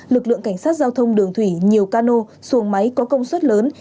lực lượng cảnh sát giao thông đường thủy nhiều cano xuồng máy có công suất lớn